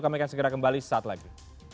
kami akan segera kembali saat lagi